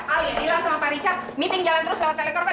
alia bilang sama pak richard meeting jalan terus lewat telekorven